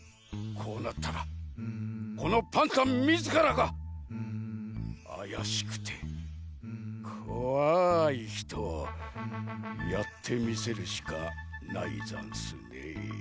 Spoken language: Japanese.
こうなったらこのパンタンみずからがあやしくてこわいひとをやってみせるしかないざんすねえ。